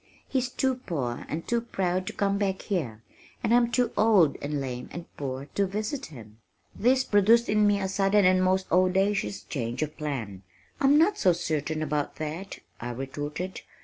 He's too poor and too proud to come back here, and I'm too old and lame and poor to visit him." This produced in me a sudden and most audacious change of plan. "I'm not so certain about that," I retorted.